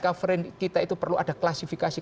govern kita itu perlu ada klasifikasi